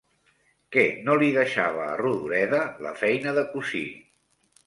Què no li deixava a Rodoreda la feina de cosir?